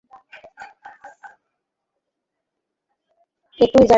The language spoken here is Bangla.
একই জায়গায় পৃথকভাবে সন্ত্রাস নির্মূল ত্বকী মঞ্চ হরতালের সমর্থনে প্রতিবাদ সমাবেশ করেছে।